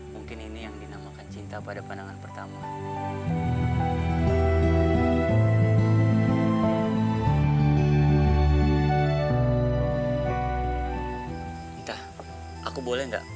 mungkin ini yang dinamakan cinta pada pandangan pertama